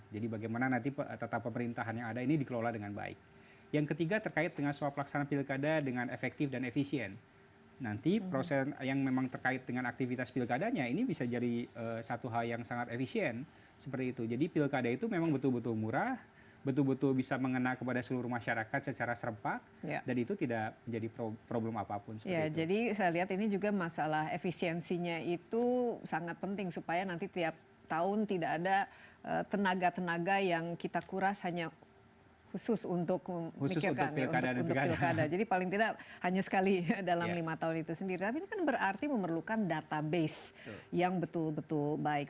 jadi paling tidak hanya dalam lima tahun itu sendiri tetapi ini kan berarti memerlukan database yang betul betul baik